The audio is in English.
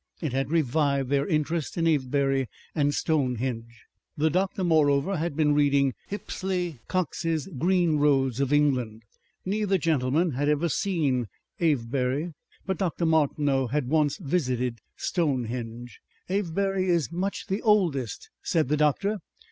It had revived their interest in Avebury and Stonehenge. The doctor moreover had been reading Hippisley Cox's GREEN ROADS OF ENGLAND. Neither gentleman had ever seen Avebury, but Dr. Martineau had once visited Stonehenge. "Avebury is much the oldest," said the doctor.